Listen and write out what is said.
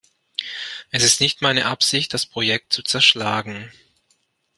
Es ist nicht meine Absicht, das Projekt zu zerschlagen.